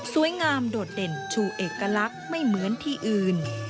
โดดเด่นชูเอกลักษณ์ไม่เหมือนที่อื่น